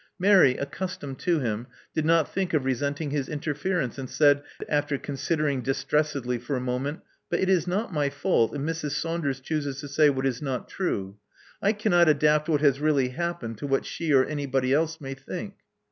Mary, accustomed to him, did not think of resenting his interference, and said, after considering distressedly for a moment, But it is not my fault if Mrs. Saun ders chooses to say what is not true. I cannot adapt what has really happened to what she or anybody else may think."